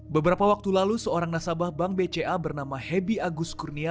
beberapa waktu lalu seorang nasabah bank bca bernama hebi agus kurnia